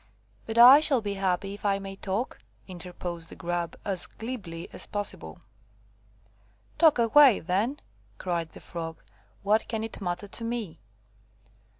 "But I shall be happy if I may talk," interposed the Grub, as glibly as possible. "Talk away then," cried the Frog; "what can it matter to me?"